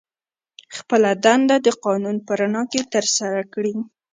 خپله دنده د قانون په رڼا کې ترسره کړي.